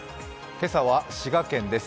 今朝は滋賀県です。